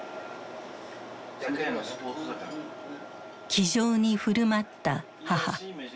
気丈に振る舞った母。